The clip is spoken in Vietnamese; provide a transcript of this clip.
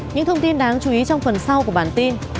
những thông tin đáng chú ý trong phần sau của bản tin